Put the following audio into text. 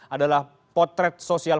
adalah potret sosial